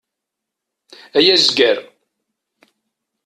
Ay azger!